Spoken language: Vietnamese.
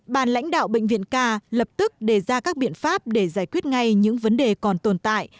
bàn lãnh đạo bệnh viện k lập tức đề ra các biện pháp để giải quyết ngay những vấn đề còn tồn tại